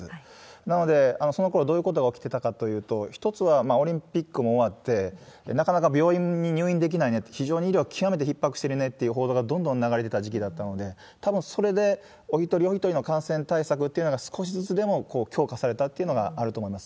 なので、そのころどういうことが起きてたかというと、一つはオリンピックも終わって、なかなか病院に入院できないねって、非常に医療は極めてひっ迫してるねっていう報道がどんどん流れてた時期だったので、たぶんそれでお一人お一人の感染対策っていうのが少しずつでも強化されたというのがあると思います。